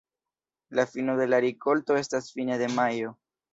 La fino de la rikolto estas fine de majo.